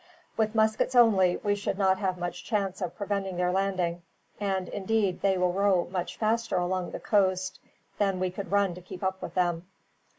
With muskets only, we should not have much chance of preventing their landing; and indeed they will row much faster along the coast than we could run to keep up with them."